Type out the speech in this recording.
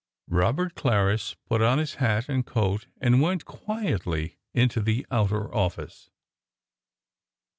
Robert Clarris put on his hat and coat and went quietly into the outer office.